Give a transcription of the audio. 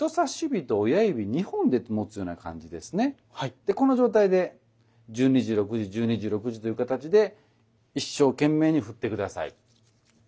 でこの状態で十二時六時十二時六時という形で一生懸命に振って下さい。